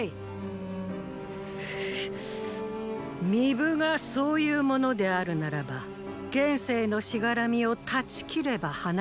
巫舞がそういうものであるならば現世へのしがらみを断ち切れば話は早かろう。